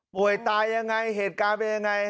ตายยังไงเหตุการณ์เป็นยังไง